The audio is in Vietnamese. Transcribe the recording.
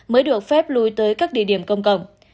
mới được phép lùi tới các địa điểm công cộng